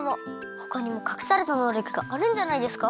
ほかにもかくされたのうりょくがあるんじゃないですか？